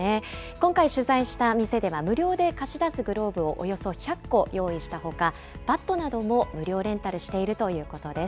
今回、取材した店では、無料で貸し出すグローブをおよそ１００個用意したほか、バットなども無料レンタルしているということです。